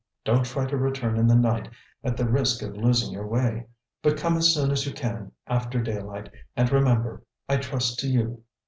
Don't try to return in the night, at the risk of losing your way. But come as soon as you can after daylight; and remember, I trust to you!